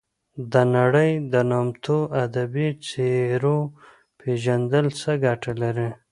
د نړۍ د نامتو ادبي څیرو پېژندل څه ګټه لري.